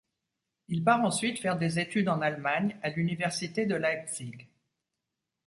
Il part ensuite faire des études en Allemagne, à l’université de Leipzig.